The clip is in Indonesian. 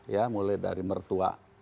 ya mulai dari mertua